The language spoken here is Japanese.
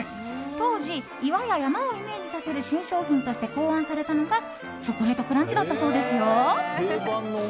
当時、岩や山をイメージさせる新商品として考案されたのがチョコレートクランチだったそうですよ。